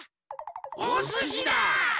おすしだ！